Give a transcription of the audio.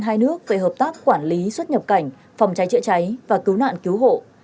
hai nước về hợp tác quản lý xuất nhập cảnh phòng cháy chữa cháy và cứu nạn cứu hộ